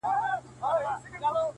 دا ځان کي ورک شې بل وجود ته ساه ورکوي _